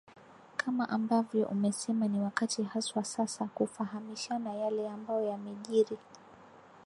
kama ambavyo umesema ni wakati haswa sasa kufahamishana yale ambayo yamejiri